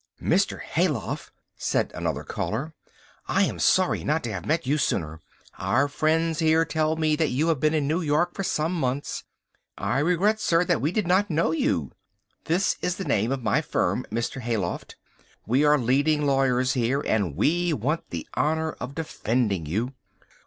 "Mr. Hayloft," said another caller, "I am sorry not to have met you sooner. Our friends here tell me that you have been in New York for some months. I regret, sir, that we did not know you. This is the name of my firm, Mr. Hayloft. We are leading lawyers here, and we want the honour of defending you.